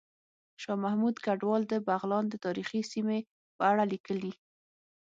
شاه محمود کډوال د بغلان د تاریخي سیمې په اړه ليکلي